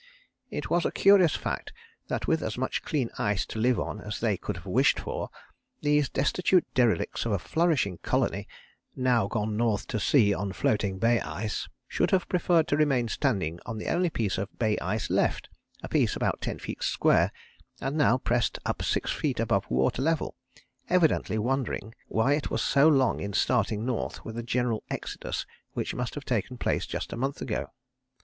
It was a curious fact that with as much clean ice to live on as they could have wished for, these destitute derelicts of a flourishing colony, now gone north to sea on floating bay ice, should have preferred to remain standing on the only piece of bay ice left, a piece about ten feet square and now pressed up six feet above water level, evidently wondering why it was so long in starting north with the general exodus which must have taken place just a month ago.